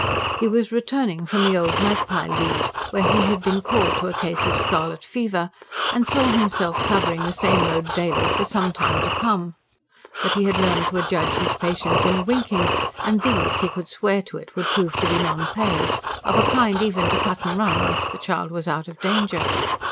He was returning from the Old Magpie Lead, where he had been called to a case of scarlet fever, and saw himself covering the same road daily for some time to come. But he had learned to adjudge his patients in a winking; and these, he could swear to it, would prove to be non payers; of a kind even to cut and run, once the child was out of danger.